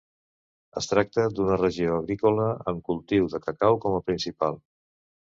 Es tracta d'una regió agrícola amb cultiu de cacau com a principal.